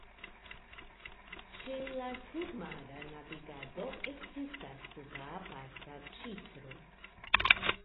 Ĉe la surmara navigado ekzistas tuta aparta ĉifro.